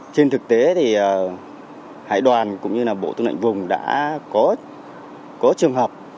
trên thực tế thì hải đoàn cũng như là bộ tương đoạn vùng đã có trường hợp